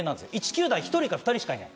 １球団１人か２人しかいない。